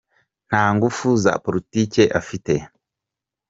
Nta ngufu za Politiki afite ?.